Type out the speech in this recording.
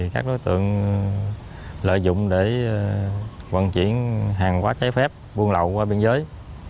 các đối tượng lợi dụng để vận chuyển hàng quá cháy phép buôn lậu qua biên giới